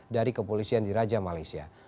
dari kepolisian di raja malaysia